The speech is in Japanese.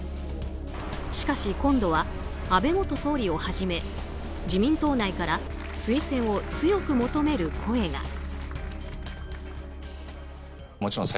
しかし、今度は安倍元総理をはじめ自民党内から推薦を強く求める声が。